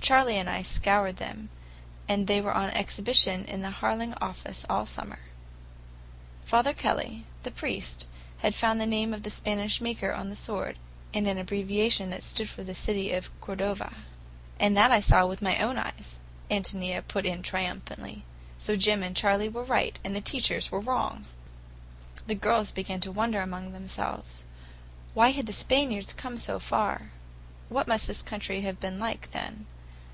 Charley and I scoured them, and they were on exhibition in the Harling office all summer. Father Kelly, the priest, had found the name of the Spanish maker on the sword, and an abbreviation that stood for the city of Cordova. "And that I saw with my own eyes," Ántonia put in triumphantly. "So Jim and Charley were right, and the teachers were wrong!" The girls began to wonder among themselves. Why had the Spaniards come so far? What must this country have been like, then?